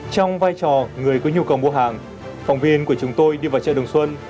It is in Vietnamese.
trong vai trò người có nhu cầu mua hàng phòng viên của chúng tôi đi vào chợ đồng xuân